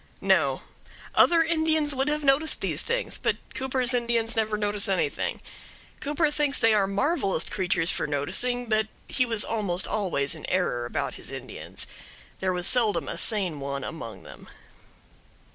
No, other Indians would have noticed these things, but Cooper's Indians never notice anything. Cooper thinks they are marvelous creatures for noticing, but he was almost always in error about his Indians. There was seldom a sane one among them.